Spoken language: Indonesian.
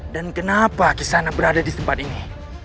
dan kenapa kisana berada di tempat ini